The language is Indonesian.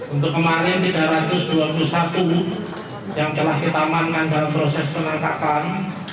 untuk kemarin tiga ratus dua puluh satu yang telah kita amankan dalam proses penangkapan